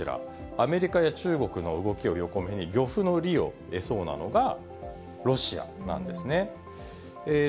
アメリカや中国の動きを横目に、漁夫の利を得そうなのが、ロシアなんですね。